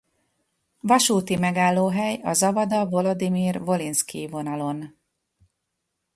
Vasúti megállóhely a Zawada-Volodimir-Volinszkij vonalon.